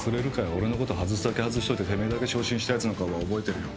俺のこと外すだけ外しといててめえだけ昇進したやつの顔は覚えてるよ